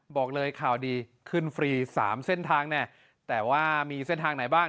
บอกเลยข่าวดีขึ้นฟรี๓เส้นทางเนี่ยแต่ว่ามีเส้นทางไหนบ้าง